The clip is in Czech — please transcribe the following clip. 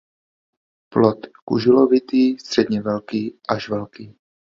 Plod kuželovitý středně velký až velký.